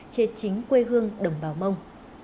trên chính quê hương đồng bào mông